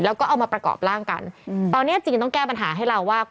แล้วก็เอามาประกอบร่างกันตอนเนี้ยจริงต้องแก้ปัญหาให้เราว่า